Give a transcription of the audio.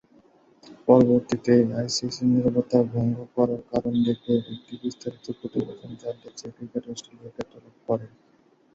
পরবর্তীতে আইসিসি নিরাপত্তা ভঙ্গ করার কারণ দেখিয়ে একটি বিস্তারিত প্রতিবেদন জানতে চেয়ে ক্রিকেট অস্ট্রেলিয়াকে তলব করে।